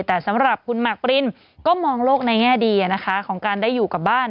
แต่สำหรับคุณหมากปรินก็มองโลกในแง่ดีนะคะของการได้อยู่กับบ้าน